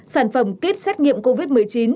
sản phẩm kết xét nghiệm covid một mươi chín